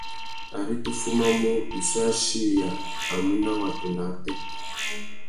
Ari tu fumamú, wissú achiya a mù nà watu nà ātê.